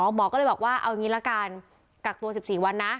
หมอก็เลยบอกว่าเอางี้ละกันกักตัว๑๔วันนะ